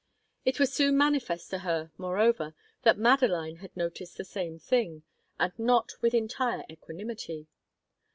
It was soon manifest to her, moreover, that Madeline had noted the same thing, and not with entire equanimity.